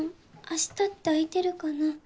明日って空いてるかな？」